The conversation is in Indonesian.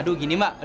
aduh gini mbak